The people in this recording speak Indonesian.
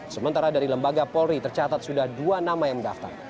sementara dari lembaga polri tercatat sudah dua nama yang mendaftar